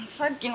あっ。